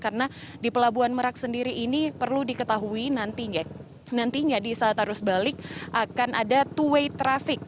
karena di pelabuhan merak sendiri ini perlu diketahui nantinya di saat arus balik akan ada two way traffic